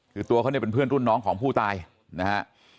คือตัวเขาเนี่ยเป็นเพื่อนรุ่นน้องของผู้ตายนะฮะ